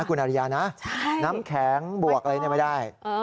คุณอริยานะน้ำแข็งบวกอะไรไม่ได้